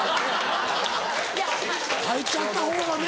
入っちゃった方がね。